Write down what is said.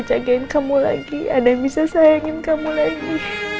jagain kamu lagi ada sisa ingins kamu lagi